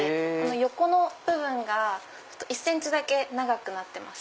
横の部分が１ｃｍだけ長くなってます